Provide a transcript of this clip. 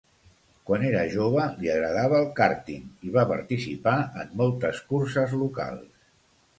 Quan era jove, li agradava el kàrting i va participar en moltes curses locals.